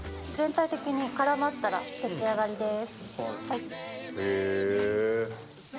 全体的に絡まったら出来上がりです。